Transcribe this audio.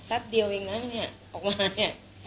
เดียวเองนะเนี่ยออกมาเนี่ย